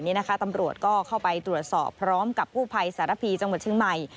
นี่นะคะตำรวจก็เข้าไปตรวจสอบพร้อมกับกู้ภัยสารพีจังหวัดเชียงใหม่